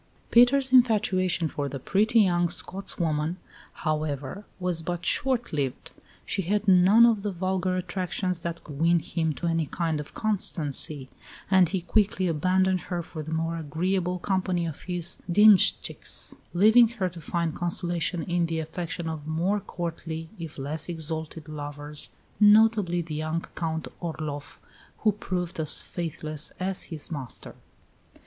Peter's infatuation for the pretty young "Scotswoman," however, was but short lived. She had none of the vulgar attractions that could win him to any kind of constancy; and he quickly abandoned her for the more agreeable company of his dienshtchiks, leaving her to find consolation in the affection of more courtly, if less exalted, lovers notably the young Count Orloff, who proved as faithless as his master.